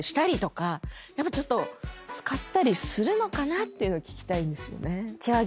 やっぱ使ったりするのかなっていうの聞きたいんですよね。